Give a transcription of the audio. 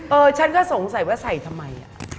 ฉันก็สงสัยว่าใส่ทำไม